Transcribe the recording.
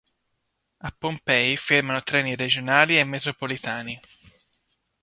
A Pompei fermano treni regionali e metropolitani.